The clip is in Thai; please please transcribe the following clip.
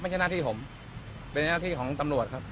อ๋อไม่ใช่หน้าที่ผมเป็นหน้าที่ของตำรวจครับ